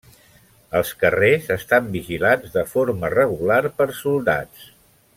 Els carrers estan vigilats de forma regular per soldats.